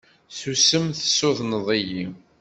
Susem tessudneḍ-iyi.